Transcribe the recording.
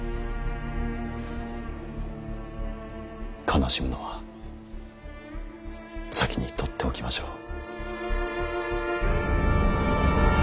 悲しむのは先に取っておきましょう。